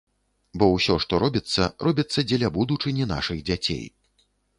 Бо ўсё, што робіцца, робіцца дзеля будучыні нашых дзяцей.